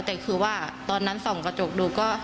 แต่คือว่าตอนนั้นส่องกระจกดูก็